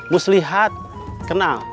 mus lihat kenal